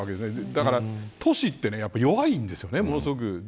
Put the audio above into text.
だから都市ってやっぱり弱いんですよねものすごく。